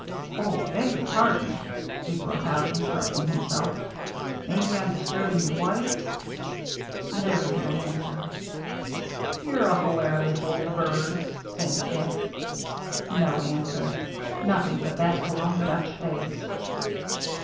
" Oh, I beg your pardon," he broke out, interrupting himself; "maybe I'm disturbing your wife ?" There was no answer. " You're a hilarious old bird," said Dick. No answer — nothing but that glum Dutch face.